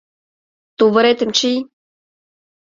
Тувыретым чий.